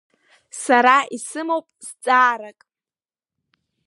Сара исымоуп зҵаарак…